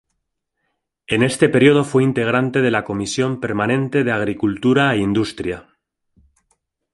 En este período fue integrante de la Comisión permanente de Agricultura e Industria.